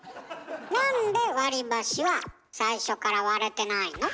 なんで割り箸は最初から割れてないの？